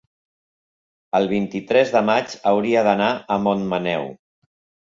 el vint-i-tres de maig hauria d'anar a Montmaneu.